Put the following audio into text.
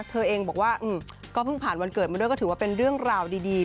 เธอเองบอกว่าก็เพิ่งผ่านวันเกิดมาด้วยก็ถือว่าเป็นเรื่องราวดี